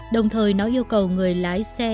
đồng thời nó yêu cầu người lái xe